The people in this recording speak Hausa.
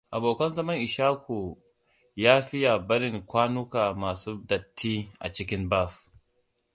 Abokan zaman Ishaku ya fiya barin kwanuka masu datti a cikin baf.